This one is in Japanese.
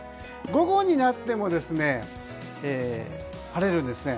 午後になっても晴れるんですね。